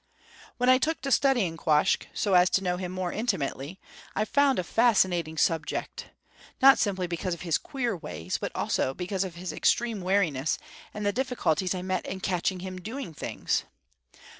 When I took to studying Quoskh, so as to know him more intimately, I found a fascinating subject; not simply because of his queer ways, but also because of his extreme wariness and the difficulties I met in catching him doing things.